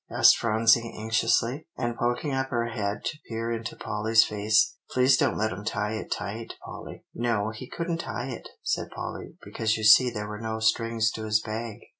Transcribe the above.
asked Phronsie anxiously, and poking up her head to peer into Polly's face. "Please don't let him tie it tight, Polly." "No; he couldn't tie it," said Polly, "because you see there were no strings to his bag."